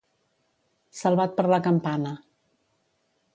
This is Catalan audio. Salvat per la campana.